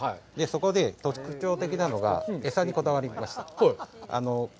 そこで特徴的なのが餌にこだわりました。